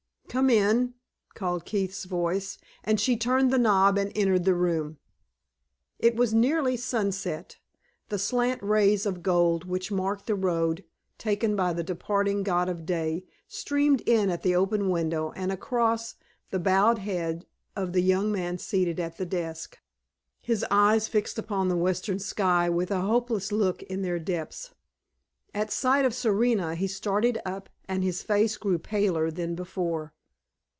"Come in!" called Keith's voice; and she turned the knob and entered the room. It was nearly sunset; the slant rays of gold which marked the road taken by the departing god of day streamed in at the open window and across the bowed head of the young man seated at the desk, his eyes fixed upon the western sky with a hopeless look in their depths. At sight of Serena he started up and his face grew paler than before.